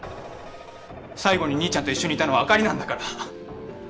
最後に兄ちゃんと一緒にいたのは朱莉なんだから。